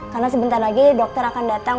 karena sebentar lagi dokter akan datang